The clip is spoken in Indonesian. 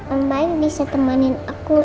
om baik bisa temanin aku